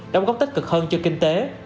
đóng góp tích cực hơn cho kinh tế